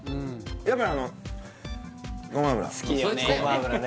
やっぱりあの好きよね